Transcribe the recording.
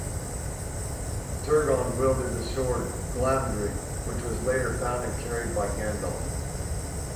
Turgon wielded the sword Glamdring which was later found and carried by Gandalf.